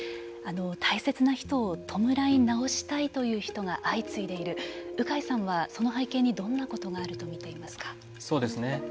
大切な人を弔い直したいという人が相次いでいる、鵜飼さんはその背景にどんなことがあるとみていますか。